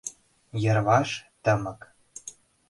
Йырваш тымык.